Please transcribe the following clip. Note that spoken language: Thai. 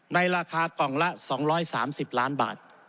ในราคากล่องละ๒๓๐ล้านบาท